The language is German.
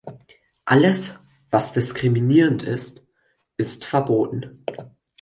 Alles, was diskriminierend ist, ist verboten.